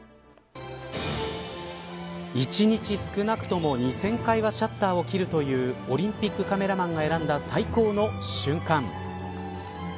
１日少なくとも２０００回はシャッターを切るというオリンピックカメラマンが選んだ最高の瞬間。